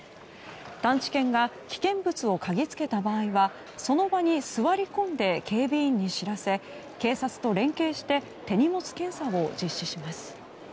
探知犬が危険物を嗅ぎつけた場合はその場に座り込んで警備員に知らせ警察と連携して手荷物検査を実施します。